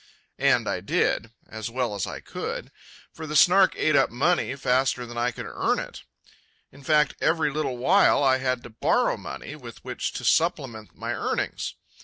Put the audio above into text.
And I did ... as well as I could; for the Snark ate up money faster than I could earn it. In fact, every little while I had to borrow money with which to supplement my earnings.